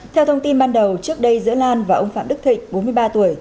theo thông tin ban đầu trước đây giữa lan và ông phạm đức thịnh bốn mươi ba tuổi